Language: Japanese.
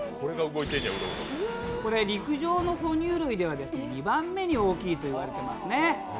陸上の哺乳類では２番目に大きいと言われていますね。